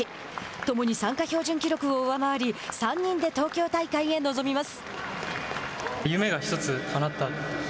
共に参加標準記録を上回り３人で東京大会へ臨みます。